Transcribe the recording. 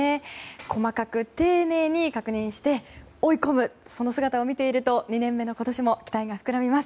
細かく丁寧に確認して追い込むその姿を見ていると２年目の今年も期待が膨らみます。